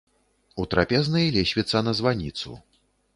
У трапезнай лесвіца на званіцу.